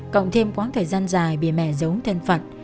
cộng thêm quãng thời gian dài bị mẹ giống thên phật